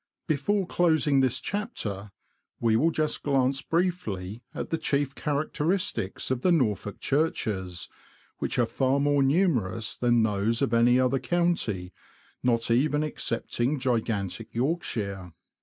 Before closing this chapter, we will just glance briefly at the chief characteristics of the Norfolk churches, which are far more numerous than those of any other county, not even excepting gigantic York shire.